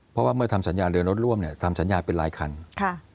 เพราะว่าเมื่อทำสัญญาเรือนรถร่วมเนี่ยทำสัญญาเป็นรายคันค่ะ